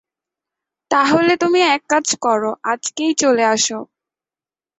তা হলে তুমি এক কাজ কর, আজকেই চলে আস।